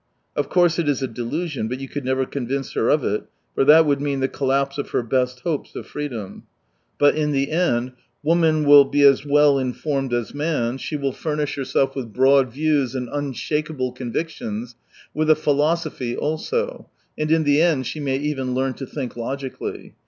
Of course, it is a delusion, but you could never convince her of it, for that would mean the collapse of her best hopes of freedom. So that in the erid woman will be as well informed as man, she will furnish 192 herself with broad views and unshakeable convictions, with a philosophy also — and in the end she may even learn to think logically.